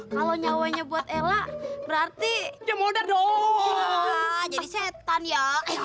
kalau nyawanya buat ella berarti jadi setan ya